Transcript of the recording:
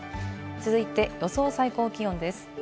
続いて予想最高気温です。